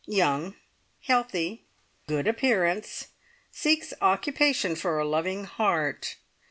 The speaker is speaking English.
Young. Healthy. Good appearance. Seeks occupation for a loving heart.